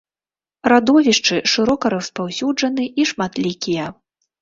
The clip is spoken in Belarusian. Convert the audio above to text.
Радовішчы шырока распаўсюджаны і шматлікія.